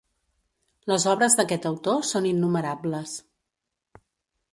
Les obres d'aquest autor són innumerables.